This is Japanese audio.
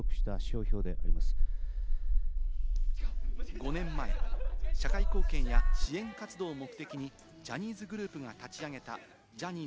５年前、社会貢献や支援活動を目的にジャニーズグループが立ち上げたＪｏｈｎｎｙ